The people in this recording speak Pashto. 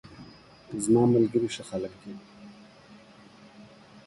زماملګري ښه خلګ دي